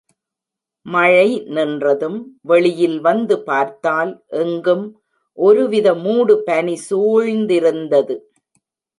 மழை நின்றதும், வெளியில் வந்து பார்த்தால், எங்கும் ஒருவித மூடு பனி சூழ்ந்திருந்தது.